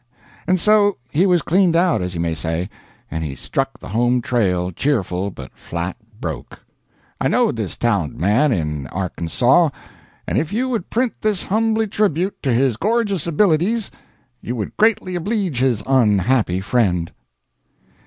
And so he was cleaned out as you may say, and he struck the home trail, cheerful but flat broke. I knowed this talonted man in Arkansaw, and if you would print this humbly tribute to his gorgis abilities, you would greatly obleege his onhappy friend.